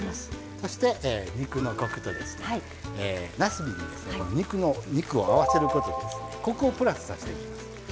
そして、肉のコクとなすびと肉を合わせることでコクをプラスさせていきます。